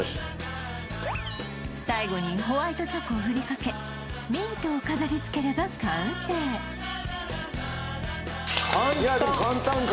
最後にホワイトチョコをふりかけミントを飾りつければ完成簡単！